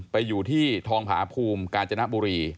ไปอยู่ที่ทองผาภูมิกาญจนบุรี